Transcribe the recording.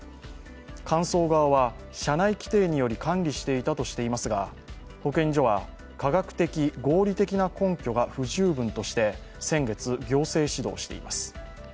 神宗側は社内規定により管理していたとしていますが保健所は科学的・合理的な根拠が不十分として先月、行政指導しています。